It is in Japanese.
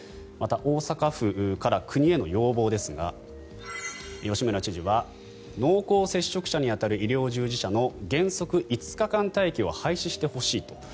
また大阪府から国への要望ですが吉村知事は、濃厚接触者に当たる医療従事者の原則５日間待機を廃止してほしいと。